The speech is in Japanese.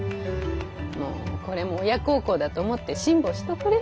まぁこれも親孝行だと思って辛抱しとくれぇ。